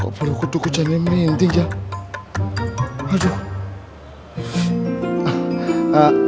kok baru kuduk kuduk janin main ini gini kan